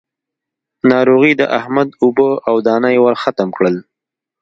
ناروغي د احمد اوبه او دانه يې ورختم کړل.